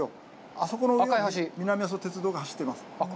あそこに南阿蘇鉄道が走っています。